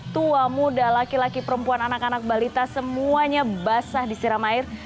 tua muda laki laki perempuan anak anak balita semuanya basah disiram air